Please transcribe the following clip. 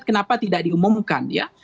kenapa tidak diumumkan ya